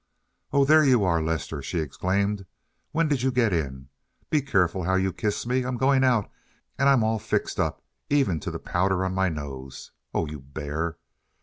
"Oh, there you are, Lester," she exclaimed. "When did you get in? Be careful how you kiss me. I'm going out, and I'm all fixed, even to the powder on my nose. Oh, you bear!"